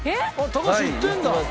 高橋行ってるんだ！